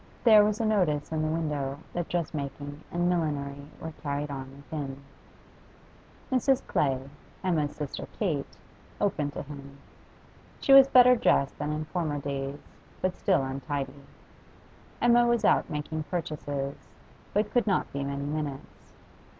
There was a notice in the window that dress making and millinery were carried on within. Mrs. Clay (Emma's sister Kate) opened to him. She was better dressed than in former days, but still untidy. Emma was out making purchases, but could not be many minutes.